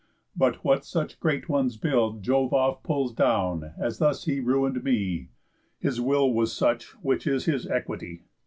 But what such great ones build Jove oft pulls down, as thus he ruin'd me; His will was such, which is his equity.